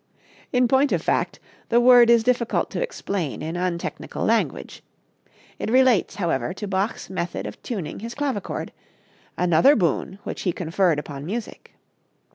In point of fact, the word is difficult to explain in untechnical language. It relates, however, to Bach's method of tuning his clavichord another boon which he conferred upon music.